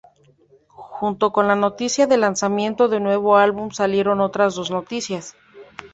Junto con la noticia del lanzamiento del nuevo álbum salieron otras dos noticias.